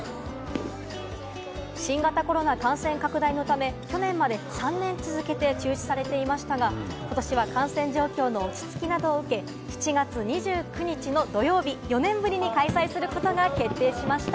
新型コロナウイルス感染拡大のため、去年まで３年続けて中止されていましたが、今年は感染状況の落ち着きなどを受け、７月２９日の土曜日、４年ぶりに開催することが決定しました。